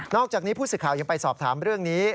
อกจากนี้ผู้สื่อข่าวยังไปสอบถามเรื่องนี้